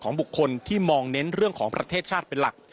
บุคคลที่มองเน้นเรื่องของประเทศชาติเป็นหลัก